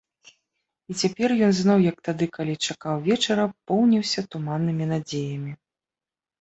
І цяпер ён зноў, як тады, калі чакаў вечара, поўніўся туманнымі надзеямі.